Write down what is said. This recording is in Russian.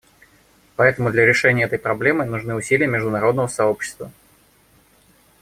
Поэтому для решения этой проблемы нужны усилия международного сообщества.